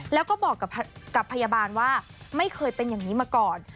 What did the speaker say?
แล้วก็บอกกับพยาบาลว่าไม่เคยเป็นอย่างนี้มาก่อน